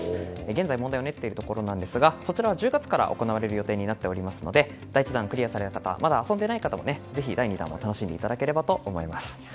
現在、問題を練っているところでそちらは１０月から行われる予定となっているので第１弾をクリアされた方まだ遊んでいない方もぜひ第２弾を楽しんでいただければと思います。